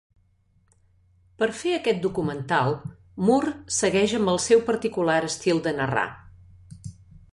Per fer aquest documental Moore segueix amb el seu particular estil de narrar.